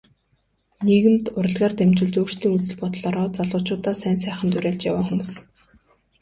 Нийгэмд урлагаар дамжуулж өөрсдийн үзэл бодлоороо залуучуудаа сайн сайханд уриалж яваа л хүмүүс.